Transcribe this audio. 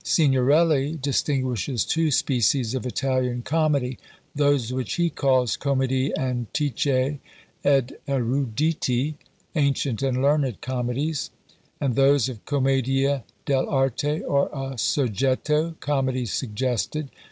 Signorelli distinguishes two species of Italian comedy: those which he calls commedie antiche ed eruditi, ancient and learned comedies; and those of commedie dell' arte, or a soggetto, comedies suggested.